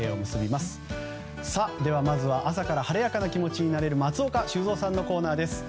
まずは朝から晴れやかな気持ちになれる松岡修造さんのコーナーです。